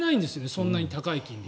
そんなに高い金利。